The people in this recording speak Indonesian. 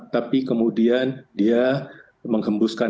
tapi kemudian dia menghembuskan